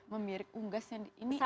memirik unggas yang ini